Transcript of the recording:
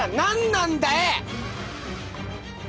なんだい？